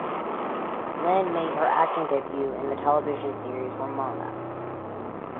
Lyn made her acting debut in the television series "Ramona".